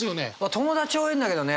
友達多いんだけどね